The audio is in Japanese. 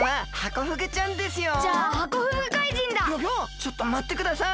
ちょっとまってください！